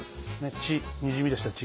血にじみ出した血。